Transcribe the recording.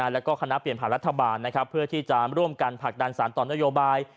แล้วก็คณะเปลี่ยนผ่านรัฐบาลเพื่อที่จะร่วมกันผลักดันสารต่อนโยบาย